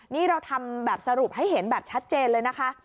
นี่เราทำแบบสรุปให้เห็นแบบชัดเจนเลยนะคะ